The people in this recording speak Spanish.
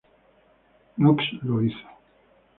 Knox lo hizo.